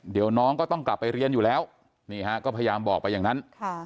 เดี๋ยวน้องก็ต้องกลับไปเรียนอยู่แล้วนี่ฮะก็พยายามบอกไปอย่างนั้น